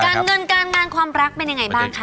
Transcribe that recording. การเงินการงานความรักเป็นยังไงบ้างคะ